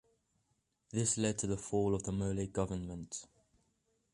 This led to the fall of the Mollet government.